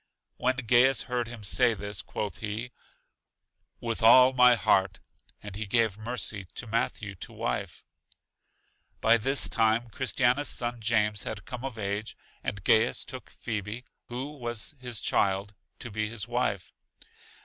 When Gaius heard him say this, quoth he: With all my heart. And he gave Mercy to Matthew to wife. By this time Christiana's son James had come of age, and Gaius gave Phebe (who was his child) to be his wife.